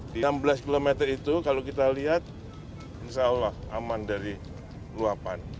di enam belas km itu kalau kita lihat insya allah aman dari luapan